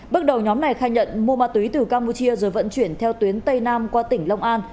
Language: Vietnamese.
bước đầu nhóm này khai nhận mua ma túy từ campuchia rồi vận chuyển theo tuyến tây nam qua tỉnh long an